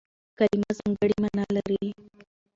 کلیمه ځانګړې مانا لري.